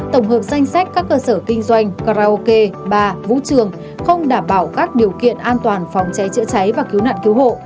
tổng hợp danh sách các cơ sở kinh doanh karaoke ba vũ trường không đảm bảo các điều kiện an toàn phòng cháy chữa cháy và cứu nạn cứu hộ